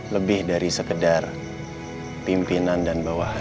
lebih dari sekedar pimpinan dan bawahan